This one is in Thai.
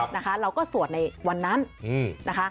นะคะเราก็สวดในวันนั้นนะคะ